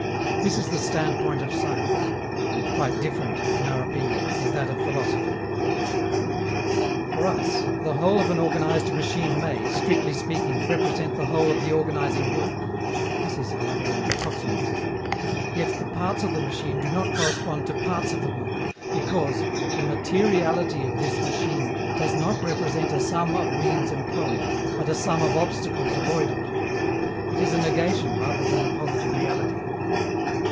This is the standpoint of science. Quite different, in our opinion, is that of philosophy. For us, the whole of an organized machine may, strictly speaking, represent the whole of the organizing work (this is, however, only approximately true), yet the parts of the machine do not correspond to parts of the work, because the materiality of this machine does not represent a sum of means employed, but a sum of obstacles avoided: it is a negation rather than a positive reality.